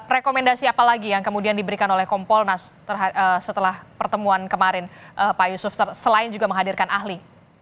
rekomendasi apa lagi yang kemudian diberikan oleh kompolnas setelah pertemuan kemarin pak yusuf selain juga menghadirkan ahli